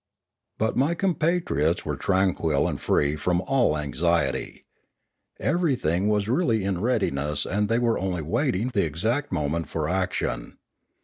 But my compatriots were tranquil and free from all anxiety. Everything was really in readiness and they were only awaiting the exact moment for action.